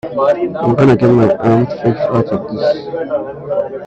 I'm gonna get my arm fixed out of this.